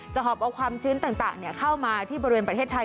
หอบเอาความชื้นต่างเข้ามาที่บริเวณประเทศไทย